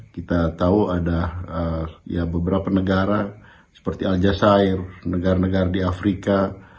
kita tahu ada beberapa negara seperti al jazee negara negara di afrika